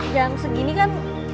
jam segini kan